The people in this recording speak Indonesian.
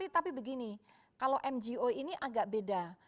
tapi begini kalau mgo ini agak beda